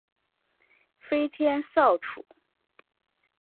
飞天扫帚。